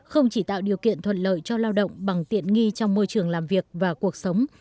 không chỉ tạo điều kiện thuận lợi cho lao động bằng tiện nghi trong môi trường làm việc và cuộc sống